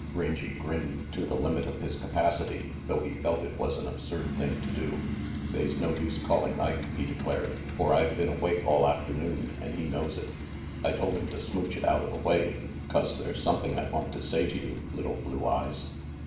Rangy grinned to the limit of his capacity, though he felt it was an absurd thing to do. "They's no use calling Ike," he declared, "for I've been awake all afternoon, and he knows it. I told him to smooch it outa the way, 'cause there's something I want to say to you, little Blue Eyes."